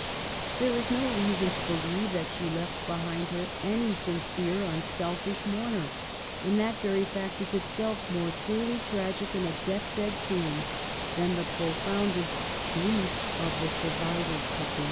There is no reason to believe that she left behind her any sincere, unselfish mourner, and that very fact is itself more truly tragic in a death bed scene than the profoundest grief of the survivors could be.